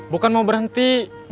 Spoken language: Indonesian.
bukan mau berhenti